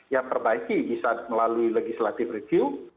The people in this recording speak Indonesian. ya perbaiki bisa melalui legislative review